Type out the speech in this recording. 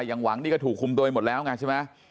อย่างหวังนี่ก็ถูกคุมโดยหมดแล้วใช่ไหม